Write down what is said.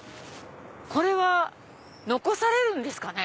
これは残されるんですかね？